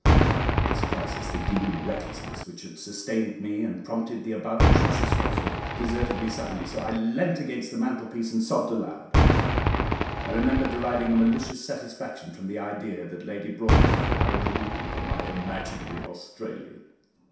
At this crisis the demon of recklessness which had sustained me, and prompted the above atrocious falsehood, deserted me suddenly, so I leant against the mantelpiece and sobbed aloud. I remember deriving a malicious satisfaction from the idea that Lady Broadhem thought I was weeping for my imaginary Australian.